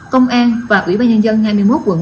công an và ủy ban nhân dân hai mươi một quận